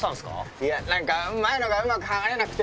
いや、なんか、前のがうまく剥がれなくて。